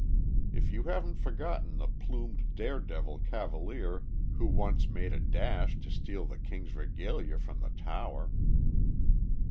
if you haven't forgotten the plumed dare devil cavalier who once made a dash to steal the king's regalia from the Tower.